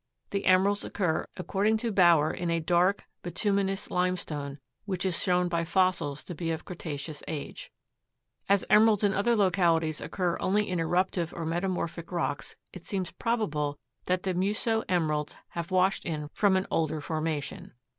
The emeralds occur according to Bauer in a dark, bituminous limestone which is shown by fossils to be of Cretaceous age. As emeralds in other localities occur only in eruptive or metamorphic rocks, it seems probable that the Muso emeralds have washed in from an older formation.